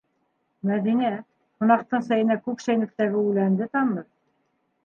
Мәҙинә, ҡунаҡтың сәйенә күк сәйнүктәге үләнде тамыҙ.